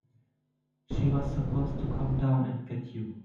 She was supposed to come down and get you.